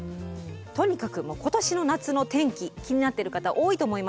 とにかく今年の夏の天気気になってる方多いと思います。